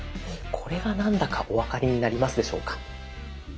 これが何だかお分かりになりますでしょうか？